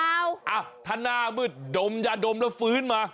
อ้าวถ้าหน้ามืดดมยาดมแล้วฟื้นมา